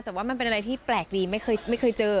แต่ว่ามันเป็นอะไรที่แปลกดีไม่เคยเจอ